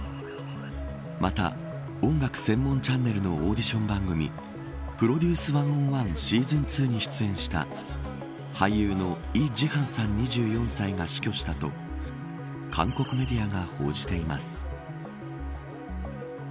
また、音楽専門チャンネルのオーディション番組プロデュース・ワン・オー・ワンシーズン２に出演した俳優のイ・ジハンさん２４歳が死去したと韓国メディアが報じています。